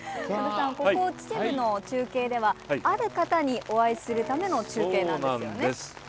ここ、秩父の中継ではある方にお会いするための中継なんですよね。